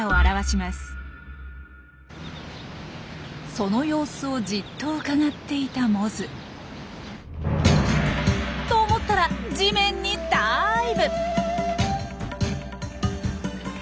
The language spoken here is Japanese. その様子をじっとうかがっていたモズ。と思ったら地面にダーイブ！